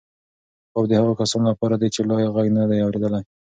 خوب د هغو کسانو لپاره دی چې لا یې غږ نه دی اورېدلی.